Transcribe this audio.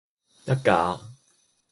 一架